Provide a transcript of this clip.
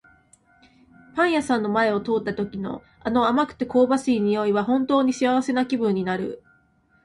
パン屋さんの前を通った時の、あの甘くて香ばしい匂いは本当に幸せな気分になる。